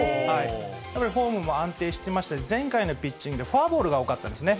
やっぱりフォームも安定してましたし、前回のピッチングでフォアボールが多かったんですね。